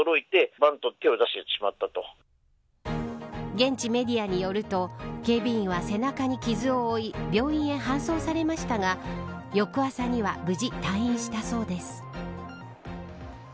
現地メディアによると警備員は背中に傷を負い病院へ搬送されましたが翌朝には無事退院したそうです。